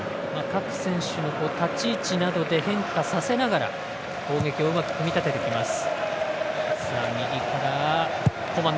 各選手の立ち位置などで変化させながら攻撃をうまく組み立てていきます。